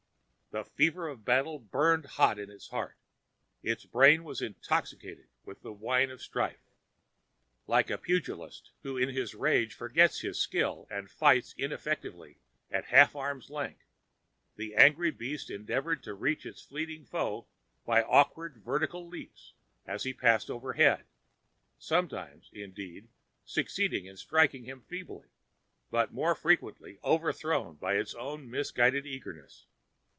The fever of battle burned hot in its heart; its brain was intoxicated with the wine of strife. Like a pugilist who in his rage forgets his skill and fights ineffectively at half arm's length, the angry beast endeavored to reach its fleeting foe by awkward vertical leaps as he passed overhead, sometimes, indeed, succeeding in striking him feebly, but more frequently overthrown by its own misguided eagerness.